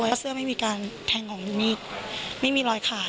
ว่าเสื้อไม่มีการแทงของมีดไม่มีรอยขาด